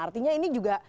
artinya ini juga